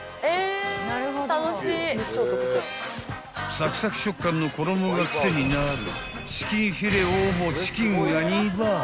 ［サクサク食感の衣が癖になるチキンフィレオもチキンが２倍］